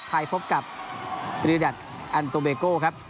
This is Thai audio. ฮัยภพกับอัตโตเบโกนะครับ